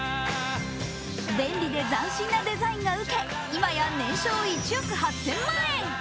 便利で斬新なデザインが受け、今や年商は１億８０００万円。